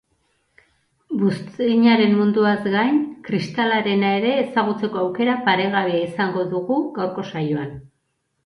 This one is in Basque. Buztinaren munduaz gain, kristalarena ere ezagutzeko aukera paregabea izango dugu gaurko saioan.